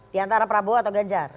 diantara prabowo atau gadjar